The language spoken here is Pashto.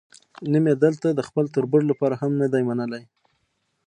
نیم یې دلته د خپل تربور لپاره هم نه دی منلی.